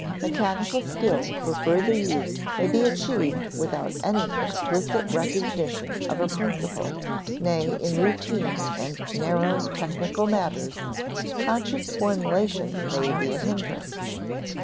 Mechanical skill for further use may be achieved without any explicit recognition of a principle; nay, in routine and narrow technical matters, conscious formulation may be a hindrance.